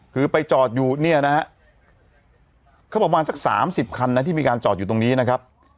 คือไปจอดอยู่เนี่ยนะฮะเขาประมาณสักสามสิบคันนะที่มีการจอดอยู่ตรงนี้นะครับ